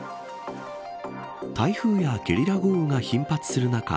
台風やゲリラ豪雨が頻発する中